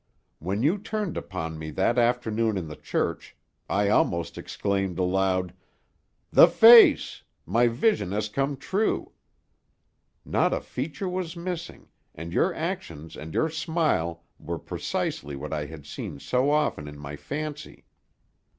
When you turned upon me that afternoon in the church, I almost exclaimed aloud: 'The face! My vision has come true!' Not a feature was missing, and your actions and your smile were precisely what I had seen so often in my fancy.